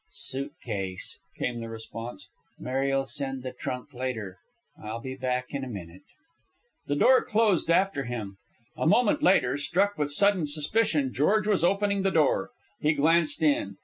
"Suit case," came the response. "Mary'll send the trunk later. I'll be back in a minute." The door closed after him. A moment later, struck with sudden suspicion, George was opening the door. He glanced in.